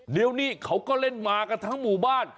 เดี๋ยวนี้เขาก็เล่นมากันทั้งหมู่บ้าน